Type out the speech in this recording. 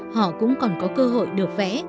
họ cũng còn có cơ hội được vẽ